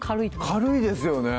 軽いですよね